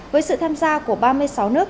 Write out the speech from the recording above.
với sự tham gia của ba mươi sáu nước